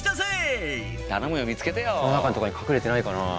この中とかに隠れてないかなあ。